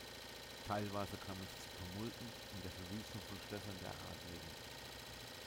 Teilweise kam es zu Tumulten und der Verwüstung von Schlössern der Adeligen.